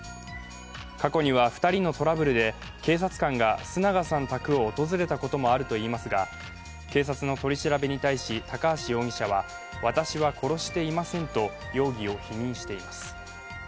過去には２人のトラブルで警察官が須永さん宅を訪れたこともあるといいますが、警察の取り調べに対し、高橋容疑者は私は殺していませんと容疑を否認しています。